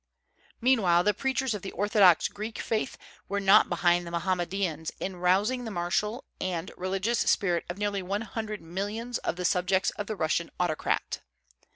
Meanwhile the preachers of the Orthodox Greek faith were not behind the Mohammedans in rousing the martial and religious spirit of nearly one hundred millions of the subjects of the Russian autocrat.